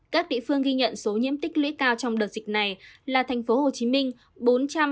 các địa phương ghi nhận số nhiễm tích lưỡi cao trong đợt dịch này là thành phố hồ chí minh bốn trăm bốn mươi hai sáu trăm ba mươi ca